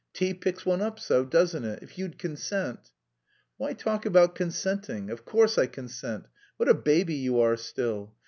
Tea picks one up so, doesn't it? If you'd consent!" "Why talk about consenting! Of course I consent, what a baby you are still.